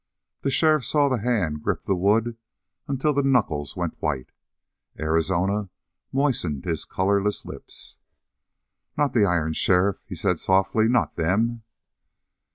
The sheriff saw that hand grip the wood until the knuckles went white. Arizona moistened his colorless lips. "Not the irons, sheriff," he said softly. "Not them!"